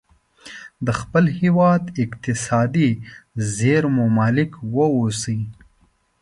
د خپل هیواد اقتصادي زیرمو مالک واوسي.